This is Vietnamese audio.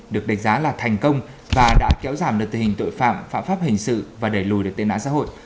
được đánh giá là thành công và đã kéo giảm được tình hình tội phạm phạm pháp hình sự và đẩy lùi được tên ạn xã hội